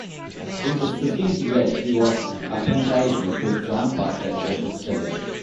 In his fifteenth year he was apprenticed to John Parker, a bookseller.